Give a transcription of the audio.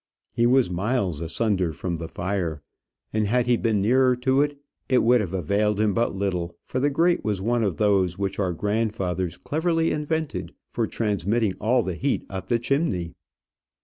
He was miles asunder from the fire; and had he been nearer to it, it would have availed him but little; for the grate was one of those which our grandfathers cleverly invented for transmitting all the heat up the chimney.